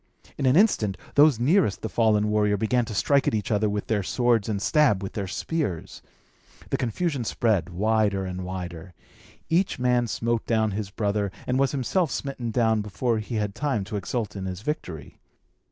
In an instant, those nearest the fallen warrior began to strike at one another with their swords and stab with their spears. The confusion spread wider and wider. Each man smote down his brother, and was himself smitten down before he had time to exult in his victory.